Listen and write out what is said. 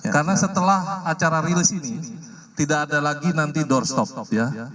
karena setelah acara rilis ini tidak ada lagi nanti doorstop ya